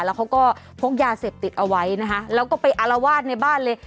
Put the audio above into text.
แล้วเขาก็พกยาเสพติดเอาไว้นะคะแล้วก็ไปอารวาสในบ้านเลย